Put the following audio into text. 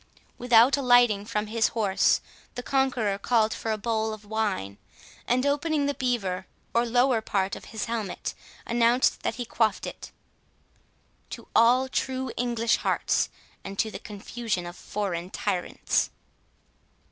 Without alighting from his horse, the conqueror called for a bowl of wine, and opening the beaver, or lower part of his helmet, announced that he quaffed it, "To all true English hearts, and to the confusion of foreign tyrants."